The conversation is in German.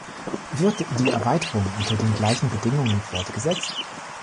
Wird die Erweiterung unter den gleichen Bedingungen fortgesetzt?